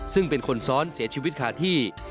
ซึ่งเป็นคนซ้อนเสียชีวิตคาที่